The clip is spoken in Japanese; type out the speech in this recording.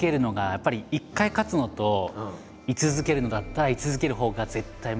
やっぱり一回勝つのと居続けるのだったら居続けるほうが絶対難しい。